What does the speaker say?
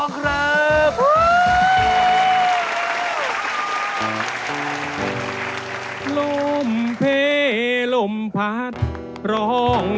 ขอบคุณมาก